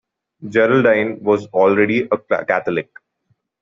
Geraldine was already a Catholic.